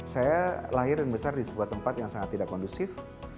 saya lahir dan besar di sebuah tempat yang sangat tidak kondusif